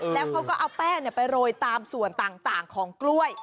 แล้วเขาก็เอาแป้งไปโรยตามส่วนต่างของกล้วย